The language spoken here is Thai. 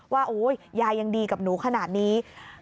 ว่ายายยังดีกับหนูขนาดนี้